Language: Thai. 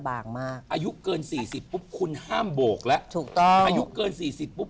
บางมากอายุเกินสี่สิบปุ๊บคุณห้ามโบกแล้วถูกต้องอายุเกินสี่สิบปุ๊บ